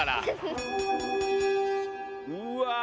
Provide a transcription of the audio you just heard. うわ。